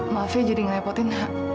maaf ya jadi ngerepotin